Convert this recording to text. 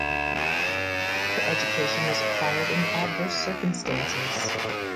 Her education was acquired in adverse circumstances.